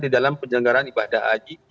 di dalam penyelenggaran ibadah haji